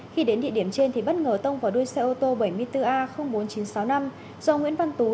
khi đến địa điểm trên thì bất ngờ tông vào đuôi xe ô tô bảy mươi bốn a bốn nghìn chín trăm sáu mươi năm do nguyễn văn tú